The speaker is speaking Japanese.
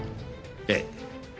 ええ。